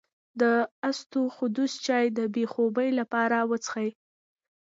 د اسطوخودوس چای د بې خوبۍ لپاره وڅښئ